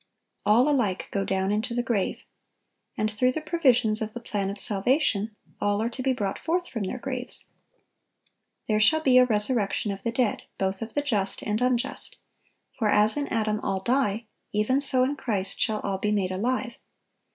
All alike go down into the grave. And through the provisions of the plan of salvation, all are to be brought forth from their graves. "There shall be a resurrection of the dead, both of the just and unjust;"(955) "for as in Adam all die, even so in Christ shall all be made alive."